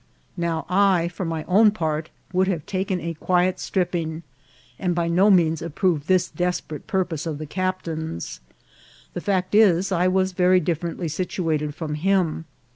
Now I, for my own part, would have taken a quiet stripping, and by no means approved this desper ate purpose of the captain's. The fact is, I was very differently situated from him.